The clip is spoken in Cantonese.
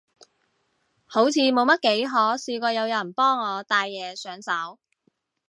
好似冇乜幾可試過有人幫我戴嘢上手